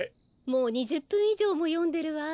もう２０ぷんいじょうもよんでるわ。